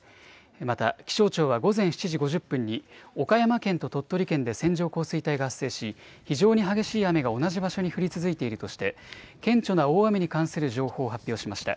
また、気象庁は午前７時５０分に岡山県と鳥取県で線状降水帯が発生し、非常に激しい雨が同じ場所に降り続いているとして、顕著な大雨に関する情報を発表しました。